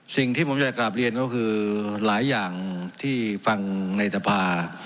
สิ่งที่ผมอยากกลับเรียนก็คือหลายอย่างที่ฟังในสภา